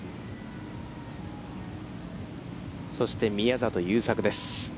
そして、宮里優作です。